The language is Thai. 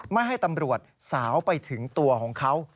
ไม่ให้ตำรวจสาวไปถึงตัวของเขา